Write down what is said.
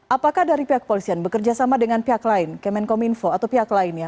apakah dari pihak polisian bekerja sama dengan pihak lain kemenkominfo atau pihak lainnya